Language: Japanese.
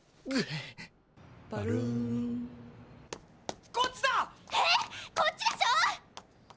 えっこっちでしょ！